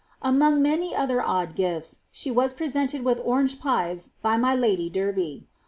Among many other odd gif^s, she was presented with orange pies by my lady Derby.